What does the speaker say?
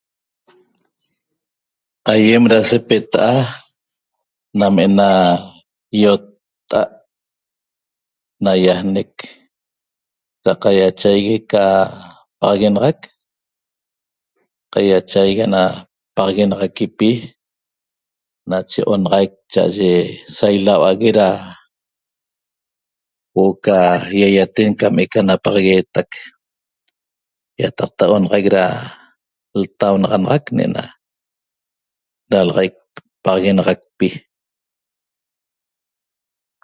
Aýem da sepeta'a nam ena ýotta'a't naýajnec da qaiachaigui napaxaguenaxac qaiachaigui ana paxaguenaxaquipi nache oraxaic sa ilaua'ague da huo'o ca ýaýaten que'eca napaxagueetac ýataqta onaxaic da ltaunaxanaxaqc ne'ena dalaxaic paxaguenaxacpi